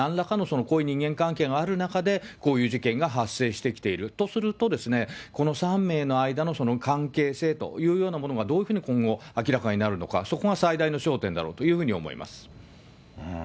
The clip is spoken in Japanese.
要するに事件の前になんらかの濃い人間関係がある中で、こういう事件が発生してきているとするとですね、この３名の間のその関係性というものがどういうふうに今後、明らかになるのか、そこが最大の焦点だろうというふうに思います。